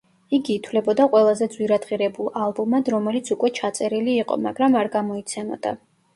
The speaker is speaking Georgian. იგი ითვლებოდა ყველაზე ძვირადღირებულ ალბომად, რომელიც უკვე ჩაწერილი იყო, მაგრამ არ გამოიცემოდა.